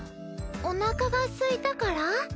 おなかがすいたから？